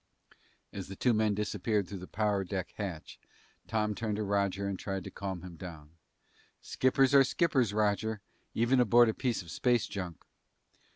As the two men disappeared through the power deck hatch, Tom turned to Roger and tried to calm him down. "Skippers are skippers, Roger, even aboard a piece of space junk!"